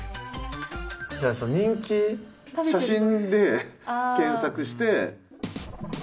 じゃあさ人気写真で検索して。